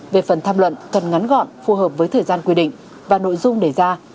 về phần tham luận cần ngắn gọn phù hợp với thời gian quy định và nội dung đề ra